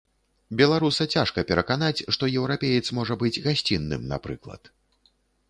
Беларуса цяжка пераканаць, што еўрапеец можа быць гасцінным, напрыклад.